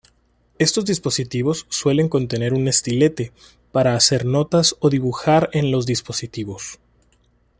Estos dispositivos suelen contener un estilete, para hacer notas o dibujar en los dispositivos.